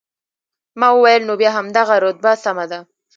ما وویل، نو بیا همدغه رتبه سمه ده.